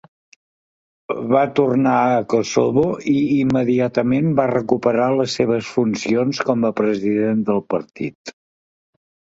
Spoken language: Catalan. Va tornar a Kosovo i immediatament va recuperar les seves funcions com a president del partit.